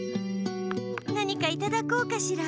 なにかいただこうかしら？